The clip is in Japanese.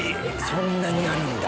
そんなにあるんだ。